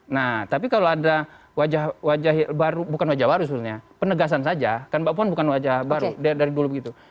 nah tapi kalau ada wajah wajah baru bukan wajah baru sebenarnya penegasan saja kan mbak puan bukan wajah baru dari dulu begitu